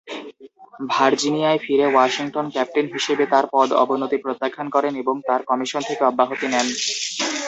ভার্জিনিয়ায় ফিরে Washington captain হিসেবে তার পদ অবনতি প্রত্যাখ্যান করেন এবং তার কমিশন থেকে অব্যহতি নেন।